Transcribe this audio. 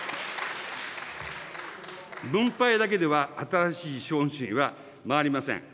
分配だけでは新しい資本主義は回りません。